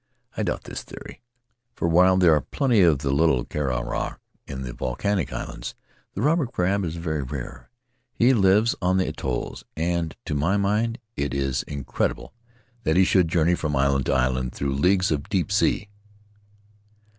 I doubt this theory, for while there are plenty of the little kakara on the volcanic islands, the robber crab is very rare; he lives on the atolls, and to my mind it is incredible that he should journey from island to island, through leagues of deep sea.